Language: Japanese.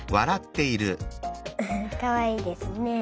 フフッかわいいですね。